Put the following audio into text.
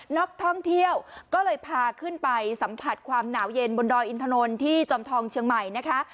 นักท่องเที่ยวก็เลยพาขึ้นไปสัมผัสความหนาวเย็นบนดอยอินถนนที่จอมทองเชียงใหม่นะคะ